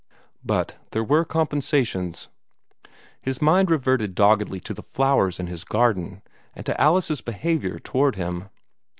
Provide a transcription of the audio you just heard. But there were compensations. His mind reverted doggedly to the flowers in his garden, and to Alice's behavior toward him.